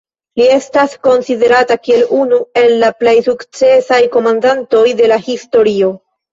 Li estas konsiderata kiel unu el la plej sukcesaj komandantoj de la historio.